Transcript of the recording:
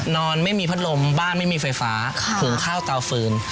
นอนไม่มีพัดลมบ้านไม่มีไฟฟ้าหุงข้าวเตาฟืน